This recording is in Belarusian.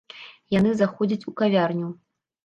Яны заходзяць у кавярню.